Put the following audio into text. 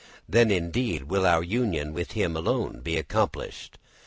Then, indeed, will our union with him alone be accomplished.